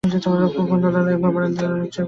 মুকুন্দলাল একবার বারান্দার রেলিং চেপে ধরে দাঁড়ালেন।